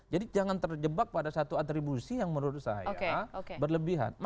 jadi jangan terjebak pada satu atribusi yang menurut saya berlebihan